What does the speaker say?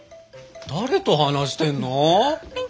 誰と話してんの？